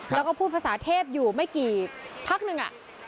แล้วก็พูดภาษาเทพอยู่ไม่กี่พักหนึ่ง